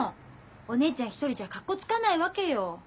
お姉ちゃん一人じゃかっこつかないわけよ。